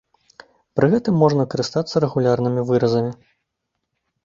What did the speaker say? Пры гэтым можна карыстацца рэгулярнымі выразамі.